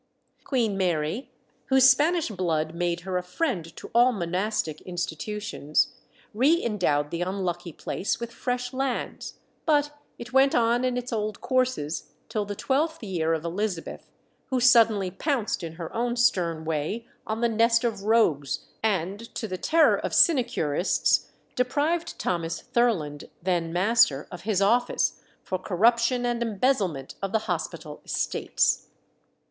Queen Mary, whose Spanish blood made her a friend to all monastic institutions, re endowed the unlucky place with fresh lands; but it went on in its old courses till the twelfth year of Elizabeth, who suddenly pounced in her own stern way on the nest of rogues, and, to the terror of sinecurists, deprived Thomas Thurland, then master, of his office, for corruption and embezzlement of the hospital estates.